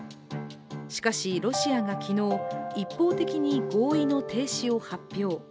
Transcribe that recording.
しかし、ロシアが昨日、一方的に合意の停止を発表。